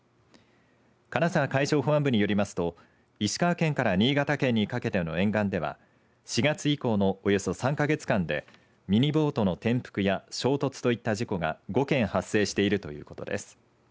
金沢海上保安部によりますと石川県から新潟県にかけての沿岸では４月以降のおよそ３か月間でミニボートの転覆や衝突といった事故が５件発生しているということです。